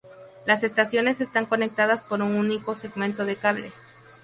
Las estaciones están conectadas por un único segmento de cable.